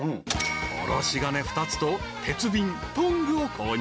［おろし金２つと鉄瓶トングを購入］